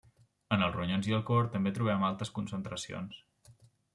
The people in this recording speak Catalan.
En els ronyons i el cor també trobem altes concentracions.